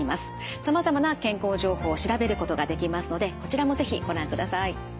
さまざまな健康情報を調べることができますのでこちらも是非ご覧ください。